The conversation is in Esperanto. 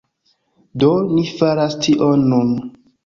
Do, ni faras tion nun